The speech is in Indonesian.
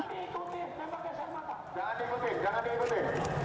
jangan diikuti jangan diikuti